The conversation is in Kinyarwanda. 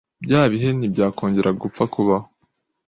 Bya bihe ntibyakongera gupfa kubaho